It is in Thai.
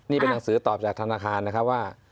นี่เป็นหนังสือตอบจากธนาคารนะครับว่า